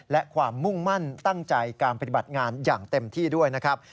และความมุ่งมั่นตั้งใจการปฏิบัติงานอย่างเต็มที่ด้วยนะครับ